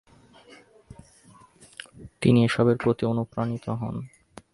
তিনি এসবের প্রতি অনুপ্রাণিত হন।